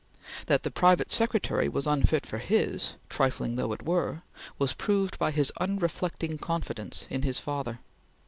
That the private secretary was unfit for his trifling though it were was proved by his unreflecting confidence in his father.